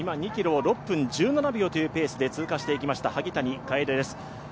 今、２ｋｍ６分１７秒というペースで通過していきました萩谷楓です。